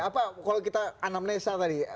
apa kalau kita anamnesa tadi